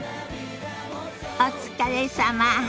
お疲れさま。